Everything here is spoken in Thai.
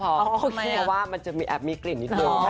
เพราะมันคิดว่ามันจะแอบมีกลิ่นนิดหน่อย